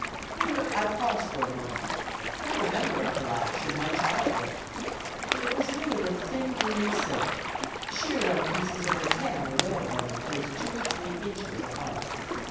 Here I pause for a moment; I remember a calash, in my childhood. It was made of thin green silk, shirred on pieces of rattan or whalebone, placed two or three inches apart.